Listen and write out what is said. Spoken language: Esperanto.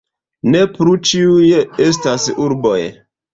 Ne plu ĉiuj estas urboj.